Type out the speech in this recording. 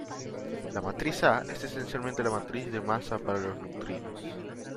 La matriz "A" es esencialmente la matriz de masa para los neutrinos.